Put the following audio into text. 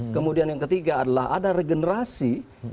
kemudian yang ketiga adalah ada regenerasi